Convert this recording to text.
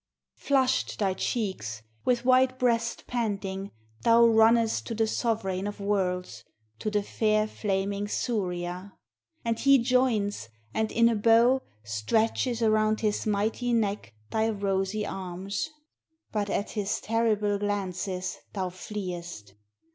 Flushed thy cheeks, with white breast panting, thou runnest To the sovereign of worlds, to the fair flaming Suria. And he joins, and, in a bow, stretches around his mighty neck Thy rosy arms; but at his terrible glances thou fleest.